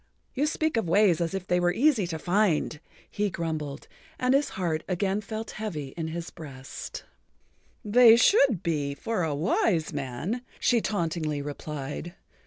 "You speak of ways as if they were easy to find," he grumbled, and his heart again felt heavy in his breast. "They should be—for a wise man," she tauntingly replied.